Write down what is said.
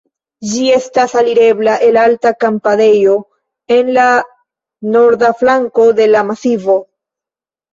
Ĝi estas alirebla el alta kampadejo en la norda flanko de la masivo.